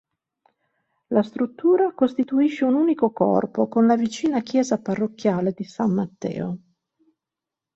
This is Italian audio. La struttura costituisce un unico corpo con la vicina chiesa parrocchiale di San Matteo.